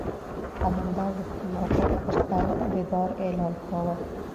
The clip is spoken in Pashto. قلندر د خپل موقف پر سر د دار اعلان کاوه.